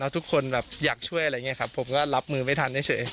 ทุกคนอยากช่วยผมก็รับมือไม่ทัน